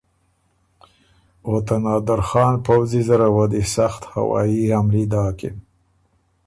او ته نادرخان پؤځی زره وه دی سخت هوائي حملي داکِن۔